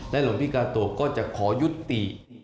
หลวงพี่กาโตก็จะขอยุติ